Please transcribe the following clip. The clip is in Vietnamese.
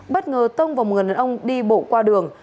bất ngờ tông vào một người nân ông đi bộ qua đường